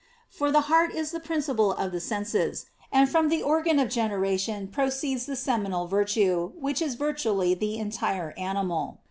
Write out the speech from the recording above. For the heart is the principle of the senses; and from the organ of generation proceeds the seminal virtue, which is virtually the entire animal.